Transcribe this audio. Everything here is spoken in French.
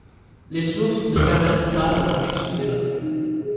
Les sources ne permettent pas de trancher ce débat.